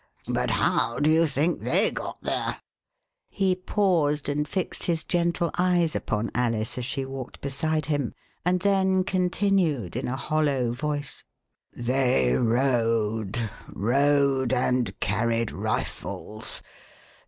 But how do you think they got there ?" He paused and fixed his gende eyes upon Alice as she walked beside him, and then continued in a hollow The Westminster Alice They rode. Rode and carried rifles.